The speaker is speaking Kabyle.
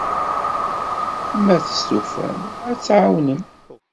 Ma testufam, ad t-tɛawnem.